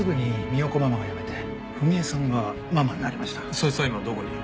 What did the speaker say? そいつは今どこにいる？